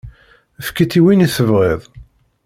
Efk-itt i win i tebɣiḍ.